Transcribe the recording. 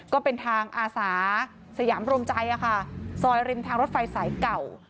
ก็เป็นทางอาสาสยามรวมใจซอยริมทางรถไฟสายเก่า